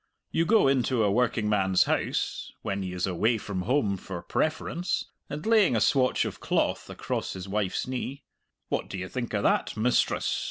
You go into a working man's house (when he is away from home for preference), and laying a swatch of cloth across his wife's knee, "What do you think of that, mistress?"